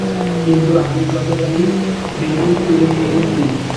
কিন্তু আমি গতকালই বেরি তুলে এনেছি।